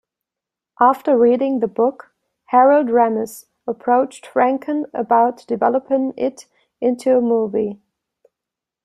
After reading the book, Harold Ramis approached Franken about developing it into a movie.